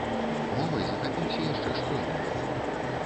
Мовай захапіўся яшчэ школьнікам.